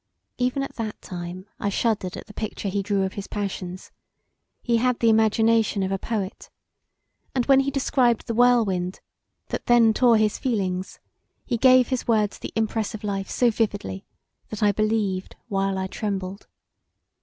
Even at that time I shuddered at the picture he drew of his passions: he had the imagination of a poet, and when he described the whirlwind that then tore his feelings he gave his words the impress of life so vividly that I believed while I trembled.